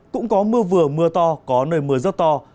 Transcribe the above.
cũng có mưa vừa mưa to có nơi mưa rất to